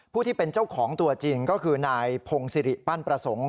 ที่เป็นเจ้าของตัวจริงก็คือนายพงศิริปั้นประสงค์